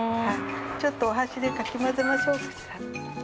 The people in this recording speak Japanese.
ちょっとお箸でかき混ぜましょう。